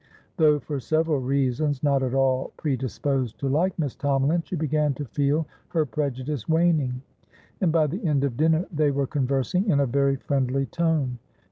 Though, for several reasons, not at all predisposed to like Miss Tomalin, she began to feel her prejudice waning, and by the end of dinner they were conversing in a very friendly tone.